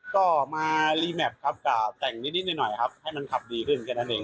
ก็มารีแมพครับกะแต่งนิดหน่อยครับให้มันขับดีขึ้นแค่นั้นเอง